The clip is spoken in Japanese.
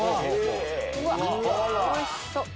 うわおいしそう！